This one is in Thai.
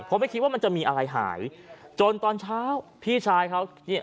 เพราะไม่คิดว่ามันจะมีอะไรหายจนตอนเช้าพี่ชายเขาเนี่ย